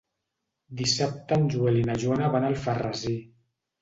Dissabte en Joel i na Joana van a Alfarrasí.